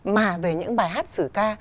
mà về những bài hát sử ca